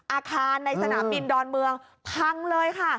อาคารในสนามบินดอนเมืองพังเลยค่ะ